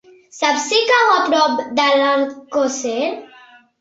Saps si cau a prop d'Alcosser?